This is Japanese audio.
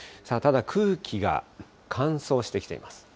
ただ空気が乾燥してきています。